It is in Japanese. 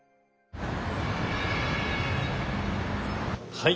はい。